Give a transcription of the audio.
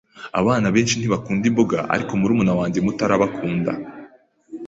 Abana benshi ntibakunda imboga, ariko murumuna wanjye muto arabakunda.